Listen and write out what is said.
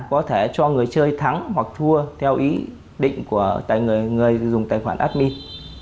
có thể cho người chơi thắng hoặc thua theo ý định của người dùng tài khoản admin